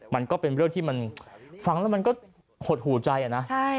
มันก็เป็นเรื่องที่มันฟังแล้วมันก็หดหูใจอะนะ